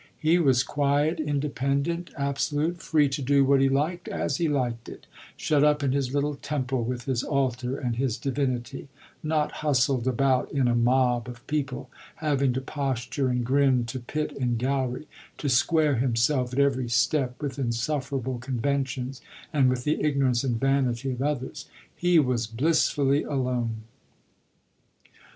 He was quiet, independent, absolute, free to do what he liked as he liked it, shut up in his little temple with his altar and his divinity; not hustled about in a mob of people, having to posture and grin to pit and gallery, to square himself at every step with insufferable conventions and with the ignorance and vanity of others. He was blissfully alone.